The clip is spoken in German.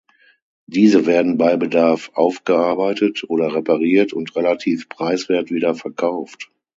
Diese werden bei Bedarf aufgearbeitet oder repariert und relativ preiswert wieder verkauft.